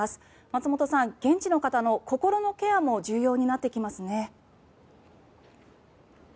松本さん、現地の方の心のケアも重要になってきますね。